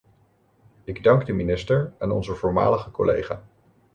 Ik dank de minister en onze voormalige collega.